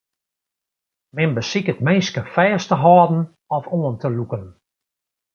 Men besiket minsken fêst te hâlden of oan te lûken.